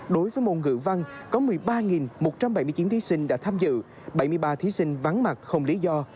đối với môn ngữ văn có một mươi ba một trăm bảy mươi chín thí sinh đã tham dự bảy mươi ba thí sinh vắng mặt không lý do